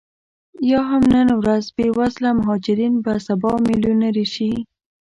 یا هم نن ورځ بې وزله مهاجرین به سبا میلیونرې شي